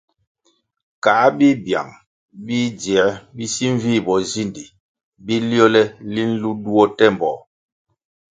Kā bibyang bidzie bi si nvih bozindi bi liole linʼ nlu duo temboh.